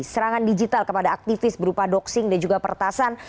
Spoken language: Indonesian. serangan digital kepada aktivis berupa doxing dan juga peretasan